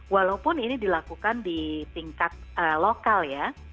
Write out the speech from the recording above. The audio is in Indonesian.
walaupun ini dilakukan di tingkat lokal ya